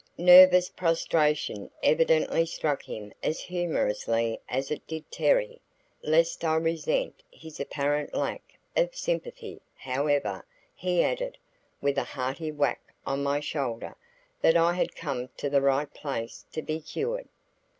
Nervous prostration evidently struck him as humorously as it did Terry. Lest I resent his apparent lack of sympathy however, he added, with a hearty whack on my shoulder, that I had come to the right place to get cured.